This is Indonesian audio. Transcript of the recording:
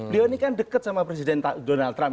beliau ini kan dekat sama presiden donald trump